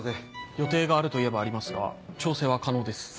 予定があるといえばありますが調整は可能です。